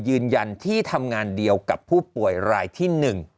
ยืนยันที่ทำงานเดียวกับผู้ป่วยรายที่๑